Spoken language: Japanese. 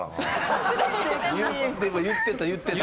でも言ってた言ってた。